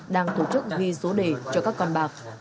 đang tổ chức ghi số đề cho các con bạc